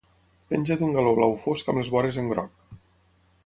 Penja d'un galó blau fosc amb les vores en groc.